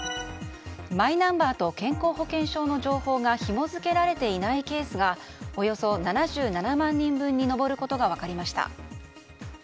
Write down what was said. マイナンバーと健康保険証の情報がひも付けられていないケースがおよそ７７万人分に上ることが分かりました。